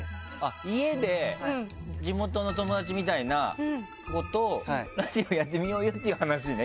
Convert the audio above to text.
家で地元の友達みたいな子とラジオやってみようよっていう話ね